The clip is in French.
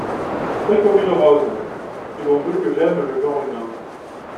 Frais comme une rose !… et l’on veut que j’aime le genre humain !